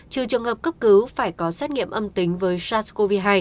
trừ trường hợp cấp cứu phải có xét nghiệm âm tính với sars cov hai